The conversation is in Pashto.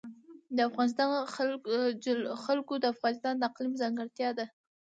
د افغانستان جلکو د افغانستان د اقلیم ځانګړتیا ده.